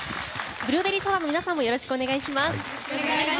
ブルーベリーソーダの皆さんもよろしくお願いします。